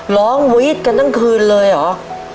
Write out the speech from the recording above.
ร้องวิทย์กันตั้งคืนเลยเหรอ